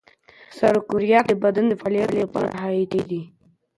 سرو کرویات د بدن د فعالیت لپاره حیاتي دي.